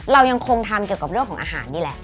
เรายังคงทำเกี่ยวกับเรื่องของอาหารนี่แหละ